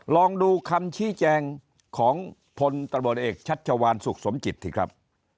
ลองดูคำชี้แจงของพตเชัตชาวานสุขสมจิตสิครับ